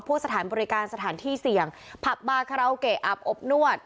สถานบริการสถานที่เสี่ยงผับบาคาราโอเกะอับอบนวด